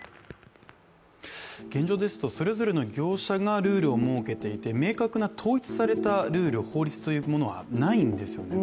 現状ですと、それぞれの業者がルールを設けていて明確な統一されたルール、法律というものはないんですよね。